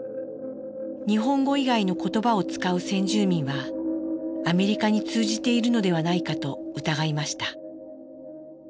日本語以外の言葉を使う先住民はアメリカに通じているのではないかと疑いました。